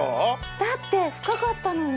だって深かったのに。